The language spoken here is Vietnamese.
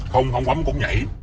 không không bấm cũng nhảy